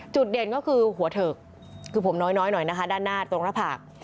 เด่นก็คือหัวเถิกคือผมน้อยหน่อยนะคะด้านหน้าตรงหน้าผาก